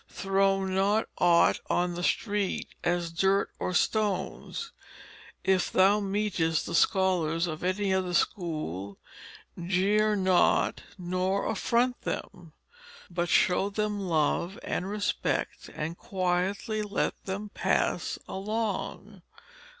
Throw not aught on the Street, as Dirt or Stones. If thou meetest the scholars of any other School jeer not nor affront them, but show them love and respect and quietly let them pass along."